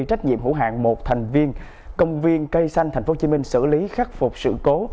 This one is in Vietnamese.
trách nhiệm hữu hạn một thành viên công viên cây xanh thành phố hồ chí minh xử lý khắc phục sự cố